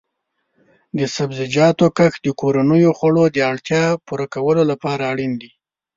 د سبزیجاتو کښت د کورنیو خوړو د اړتیا پوره کولو لپاره اړین دی.